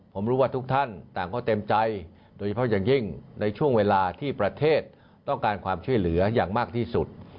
ผมรู้ว่าทุกท่านต่างก็เต็มใจโดยเฉพาะอย่างยิ่งในช่วงเวลาที่ประเทศต้องการความช่วยเหลืออย่างมากที่สุด